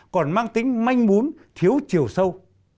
còn mang tính manh mún thiếu chiều sâu